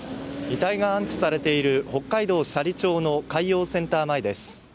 遺体が安置されている北海道斜里町の海洋センター前です。